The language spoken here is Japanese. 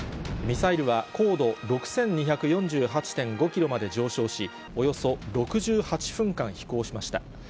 ミサイルは高度６２４８．５キロまで上昇し、およそ６８分間飛行しました。